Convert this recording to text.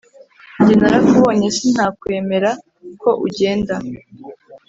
njye narakubonye sintakwemera ko ugenda